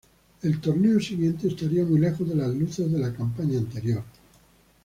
El torneo siguiente estaría muy lejos de las luces de la campaña anterior.